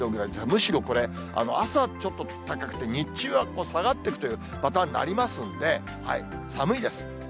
むしろこれ、朝ちょっと高くて、日中は下がってくというパターンになりますので、寒いです。